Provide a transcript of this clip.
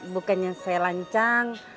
bukannya saya lancang